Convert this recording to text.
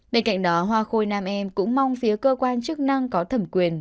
bên cạnh đó hoa khôi nam em cũng mong phía cơ quan chức năng có thẩm quyền